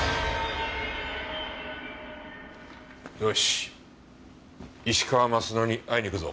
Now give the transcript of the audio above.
よし石川鱒乃に会いに行くぞ。